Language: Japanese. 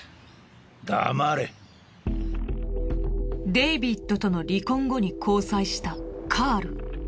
デイビッドとの離婚後に交際したカール。